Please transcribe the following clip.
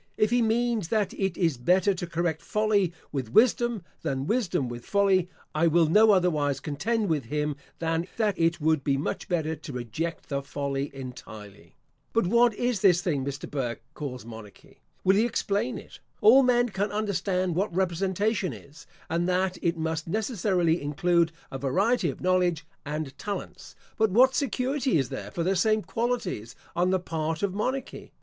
If he means that it is better to correct folly with wisdom, than wisdom with folly, I will no otherwise contend with him, than that it would be much better to reject the folly entirely. But what is this thing which Mr. Burke calls monarchy? Will he explain it? All men can understand what representation is; and that it must necessarily include a variety of knowledge and talents. But what security is there for the same qualities on the part of monarchy?